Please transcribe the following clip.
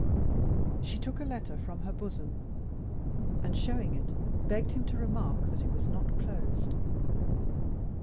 She took a letter from her bosom; and, showing it, begged him to remark that it was not closed.